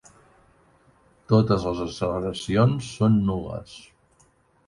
Totes les acceleracions són nul·les.